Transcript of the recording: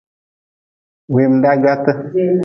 Wemdaa gwaate.